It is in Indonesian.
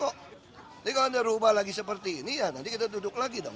jadi kalau anda rubah lagi seperti ini ya nanti kita duduk lagi dong